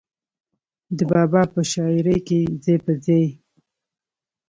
د بابا پۀ شاعرۍ کښې ځای پۀ ځای